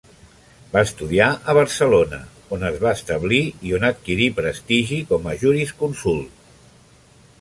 Va estudiar a Barcelona, on es va establir i on adquirí prestigi com a jurisconsult.